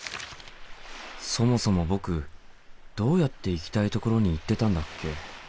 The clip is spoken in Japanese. そもそも僕どうやって行きたいところに行ってたんだっけ？